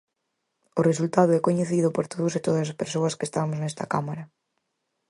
O resultado é coñecido por todos e todas as persoas que estamos nesta Cámara.